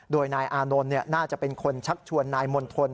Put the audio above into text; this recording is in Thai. โดยนายอานนท์น่าจะเป็นคนชักชวนนายมณฑล